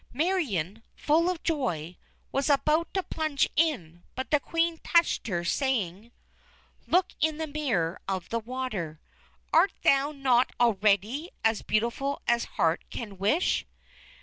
_" Marion, full of joy, was about to plunge in, but the Queen touched her, saying: "Look in the mirror of the water. Art thou not already as beautiful as heart can wish?"